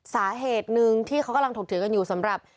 สาเหตุหนึ่งที่เขากำลังถกเถียงกันอยู่สำหรับ